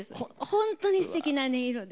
本当にすてきな音色で。